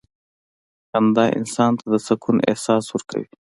• خندا انسان ته د سکون احساس ورکوي.